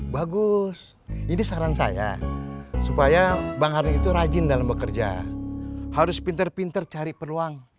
bagus ini saran saya supaya bang arya itu rajin dalam bekerja harus pinter pinter cari peluang